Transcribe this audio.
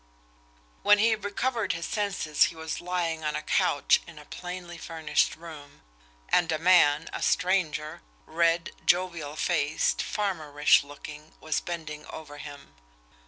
When he recovered his senses he was lying on a couch in a plainly furnished room, and a man, a stranger, red, jovial faced, farmerish looking, was bending over him.